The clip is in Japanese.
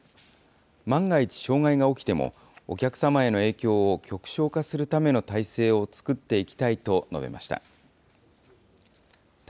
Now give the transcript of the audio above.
万が一、障害が起きてもお客様への影響を極小化するための体制を作っていきたいと述べました。